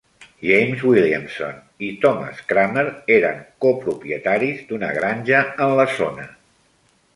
James Williamson i Thomas Crummer eren copropietaris d'una granja en la zona.